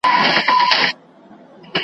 رپول مي بیرغونه هغه نه یم .